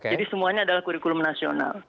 jadi semuanya adalah kurikulum nasional